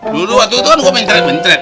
dulu waktu itu kan gua mentret mentret